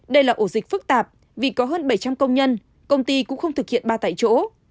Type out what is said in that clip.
đây là ổ dịch phức tạp vì có hơn bảy trăm linh công nhân công ty cũng không thực hiện ba tại chỗ